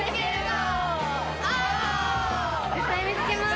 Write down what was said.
絶対見つけます！